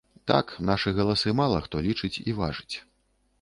Так, нашы галасы мала хто лічыць і важыць.